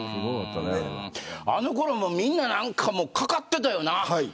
あのころみんなかかってたよな。